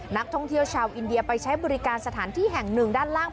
นักท่องเที่ยวชาวอินเดียไปใช้บริการสถานที่แห่งหนึ่งด้านล่าง